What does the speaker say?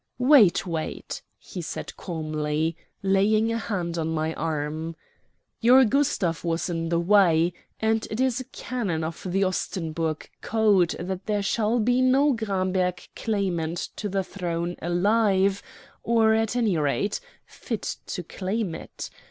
"Wait, wait," he said calmly, laying a hand on my arm. "Your Gustav was in the way, and it is a canon of the Ostenburg code that there shall be no Gramberg claimant to the throne alive, or, at any rate, fit to claim it.